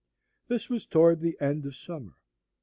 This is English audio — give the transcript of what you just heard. This was toward the end of summer.